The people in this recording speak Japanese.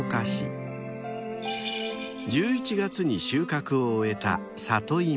［１１月に収穫を終えたサトイモ］